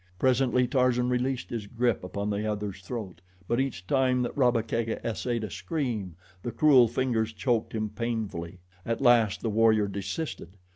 Presently Tarzan released his grip upon the other's throat; but each time that Rabba Kega essayed a scream, the cruel fingers choked him painfully. At last the warrior desisted.